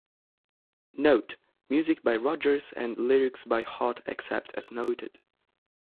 "Note:" music by Rodgers and lyrics by Hart except as noted.